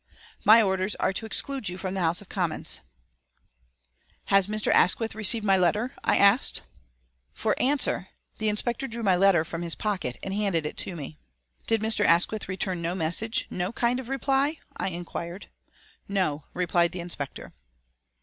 "My orders are to exclude you from the House of Commons." "Has Mr. Asquith received my letter?" I asked. For answer the inspector drew my letter from his pocket and handed it to me. "Did Mr. Asquith return no message, no kind of reply?" I inquired. "No," replied the inspector.